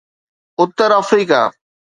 Uttar Africa